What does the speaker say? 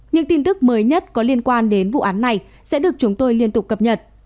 những tin tức mới nhất có liên quan đến vụ án này sẽ được chúng tôi liên tục cập nhật